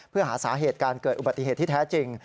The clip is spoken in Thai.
เพื่อหาสาเหตุการเกิดอุบัติเหตุที่แท้จริง